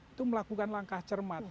itu melakukan langkah cermat